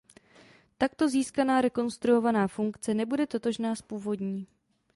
Takto získaná rekonstruovaná funkce nebude totožná s původní.